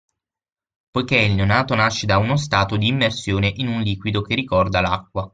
Poichè il neonato nasce da uno stato di immersione in un liquido che ricorda l’acqua.